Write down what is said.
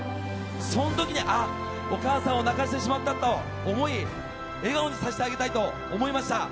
その時に、ああ、お母さんを泣かせてしまったと思い笑顔にさせてあげたいと思いました。